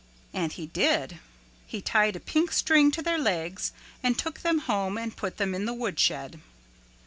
And he did. He tied a pink string to their legs and took them home and put them in the woodshed.